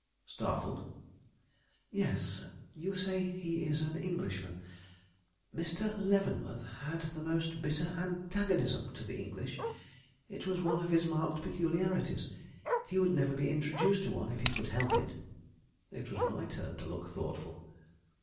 "Startled?" "Yes; you say he is an Englishman. Mr. Leavenworth had the most bitter antagonism to the English. It was one of his marked peculiarities. He would never be introduced to one if he could help it." It was my turn to look thoughtful.